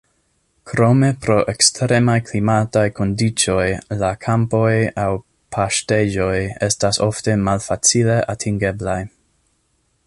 Krome pro ekstremaj klimataj kondiĉoj la kampoj aŭ paŝtejoj estas ofte malfacile atingeblaj.